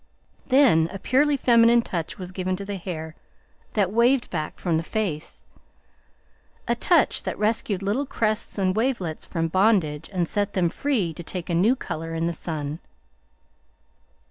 Then a purely feminine touch was given to the hair that waved back from the face, a touch that rescued little crests and wavelets from bondage and set them free to take a new color in the sun.